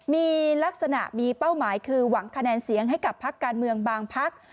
มีลักษณะมีเป้าหมายคือหวังคะแนนเสียงให้กับพักการเมืองบางพัก